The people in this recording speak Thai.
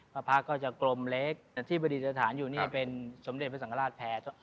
พระพระก็จะกลมเล็กแต่ที่ประดิษฐานอยู่นี่เป็นสมเด็จพระสังฆราชแพ้